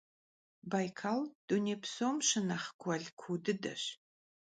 Baykal — dunêy psom şınexh guel kuu dıdeş.